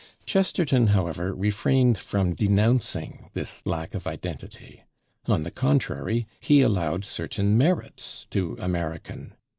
Chesterton, however, refrained from denouncing this lack of identity; on the contrary, he allowed certain merits to American.